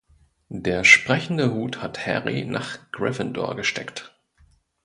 Der Sprechende Hut hat Harry nach Gryffindor gesteckt.